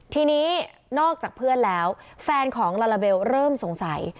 ทีนี้นอกจากเพื่อนแล้วแฟนของลาลาเบลเริ่มสงสัย